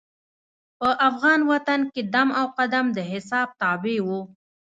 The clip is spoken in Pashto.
په افغان وطن کې دم او قدم د حساب تابع وو.